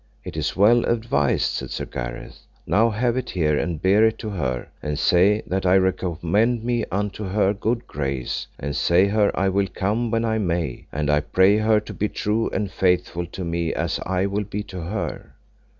It is well advised, said Sir Gareth; now have it here and bear it to her, and say that I recommend me unto her good grace, and say her I will come when I may, and I pray her to be true and faithful to me as I will be to her.